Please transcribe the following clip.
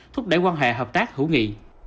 thúc đẩy quan hệ hợp tác hữu nghị